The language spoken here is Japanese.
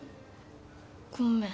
ごめん。